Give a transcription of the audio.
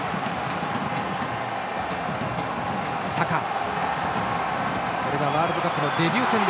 サカ、これがワールドカップデビュー戦。